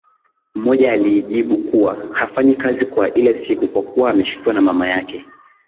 Mmoja alijibu kuwa hafanyi kazi kwa ile siku kwa kuwa amefiwa na mama yake